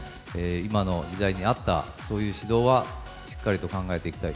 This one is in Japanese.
今の時代に合った、そういう指導は、しっかりと考えていきたい。